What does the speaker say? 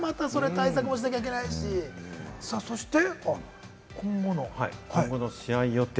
対策もしなきゃいけないし、そして今後の？